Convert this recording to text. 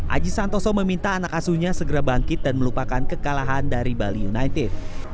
aji santoso meminta anak asuhnya segera bangkit dan melupakan kekalahan dari bali united